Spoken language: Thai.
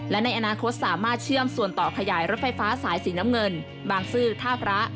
และในอนาคตสามารถเชื่อมส่วนต่อขยายรถไฟฟ้าสายสีน้ำเงินบางซื่อท่าพระ